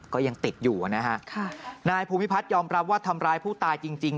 ก็ยังติดอยู่นะฮะค่ะนายภูมิพัฒน์ยอมรับว่าทำร้ายผู้ตายจริงจริง